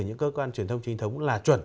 những cơ quan truyền thông trinh thống là chuẩn